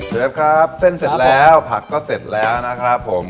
เชฟครับเส้นเสร็จแล้วผักก็เสร็จแล้วนะครับผม